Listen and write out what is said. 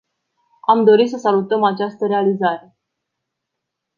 Am dori să salutăm această realizare.